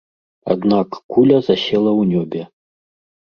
Аднак куля засела ў нёбе.